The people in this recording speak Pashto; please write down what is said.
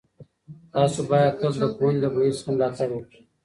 تاسو باید تل د پوهنې له بهیر څخه ملاتړ وکړئ.